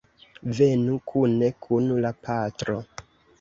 Venu kune kun la patro.